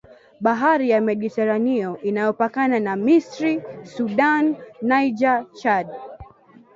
Bahari ya Mediteraneo inayopakana na Misri Sudan Niger Chad